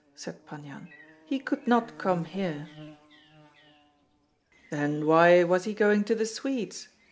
said Pan Yan; "he could not come here." "Then why was he going to the Swedes?"